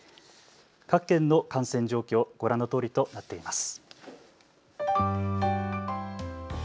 各県の感染状況、ご覧のとおりとなっています。